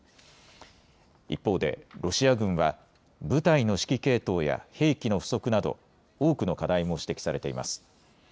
一方でロシア軍は部隊の指揮系統や兵器の不足など多くの課題も指摘されています。